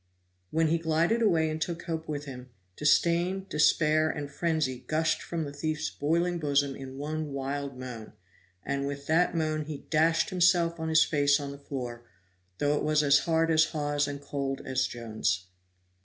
When he glided away and took hope with him, disdain, despair and frenzy gushed from the thief's boiling bosom in one wild moan; and with that moan he dashed himself on his face on the floor, though it was as hard as Hawes and cold as Jones.